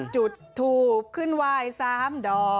จุดถูบขึ้นวายสามดอก